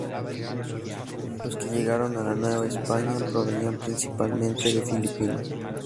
Los que llegaron a la Nueva España provenían principalmente de Filipinas.